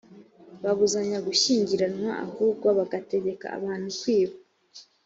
babuzanya gushyingiranwa ahubwo bagategeka abantu kwiba